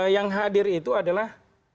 yang hadir itu adalah